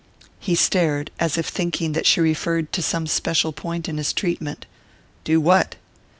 He stared, as if thinking that she referred to some special point in his treatment. "Do what?"